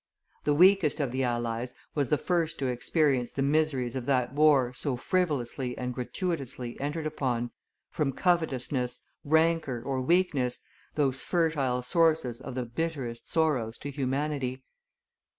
The weakest of the allies was the first to experience the miseries of that war so frivolously and gratuitously entered upon, from covetousness, rancor, or weakness, those fertile sources of the bitterest sorrows to humanity.